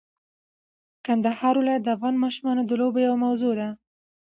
د کندهار ولایت د افغان ماشومانو د لوبو یوه موضوع ده.